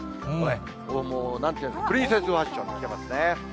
もう、なんていうんですか、プリンセスファッションで来ていますね。